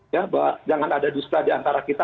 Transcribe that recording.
ya bahwa jangan ada dusta diantara kita